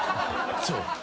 そう。